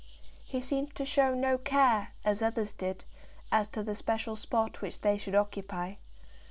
He seemed to show no care, as others did, as to the special spot which they should occupy.